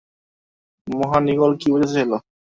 মহান ঈগল কী বোঝাতে চাইল?